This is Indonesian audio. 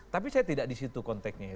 tapi saya tidak di situ konteknya ya